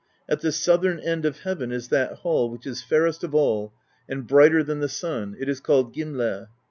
At the southern end of heaven is that hall which is fairest of all, and brighter than the sun; it is called Gimle.